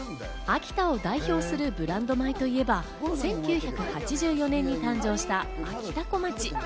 秋田を代表するブランド米といえば１９８４年に誕生した、あきたこまち。